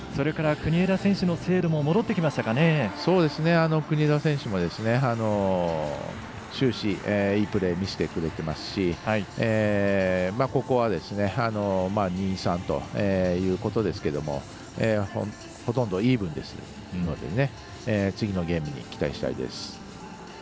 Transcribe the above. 国枝選手も終始、いいプレー見せてくれていますしここは、２−３ということですがほとんどイーブンですので次のゲームに期待したいです。